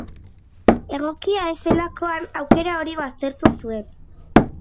Egokia ez zelakoan, aukera hori baztertu zuen.